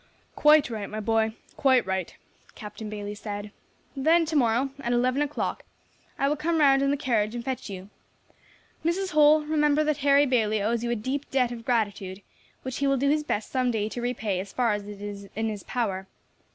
"Quite right, my boy, quite right," Captain Bayley said. "Then to morrow, at eleven o'clock, I will come round in the carriage and fetch you. Mrs. Holl, remember that Harry Bayley owes you a deep debt of gratitude, which he will do his best some day to repay as far as it is in his power.